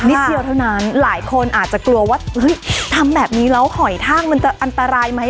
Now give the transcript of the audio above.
เดียวเท่านั้นหลายคนอาจจะกลัวว่าเฮ้ยทำแบบนี้แล้วหอยทากมันจะอันตรายไหม